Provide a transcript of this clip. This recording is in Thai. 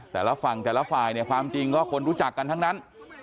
แต่ละฝั่งแต่ละฝ่ายเนี่ยความจริงก็คนรู้จักกันทั้งนั้น